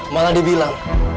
malah dia bilang